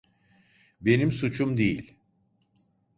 Benim suçum değil.